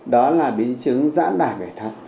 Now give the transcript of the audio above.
đầu tiên là biến chứng dãn đải bể thận